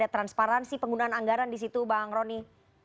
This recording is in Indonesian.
transparansi penggunaan anggaran di situ bang roni